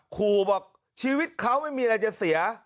ขู่บอกชีวิตเขาไม่มีอะไรจะเสีย